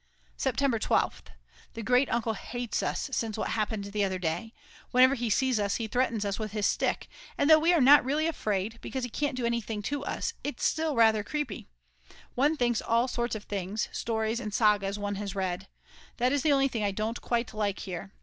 September 12th. The great uncle hates us since what happened the other day; whenever he sees us he threatens us with his stick, and though we are not really afraid, because he can't do anything to us, still it's rather creepy. One thinks of all sorts of things, stories and sagas one has read. That is the only thing I don't quite like here.